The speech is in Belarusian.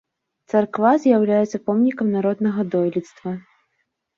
Царква з'яўляецца помнікам народнага дойлідства.